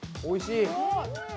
おいしい！